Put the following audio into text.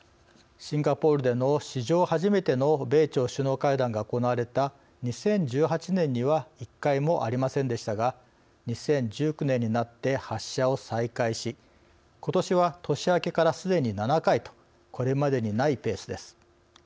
シンガポールでの史上初めての米朝首脳会談が行われた２０１８年には１回もありませんでしたが２０１９年になって発射を再開しことしは年明けからすでに７回とこれまでにないペースです。